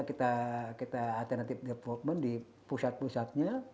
kita atenative development di pusat pusatnya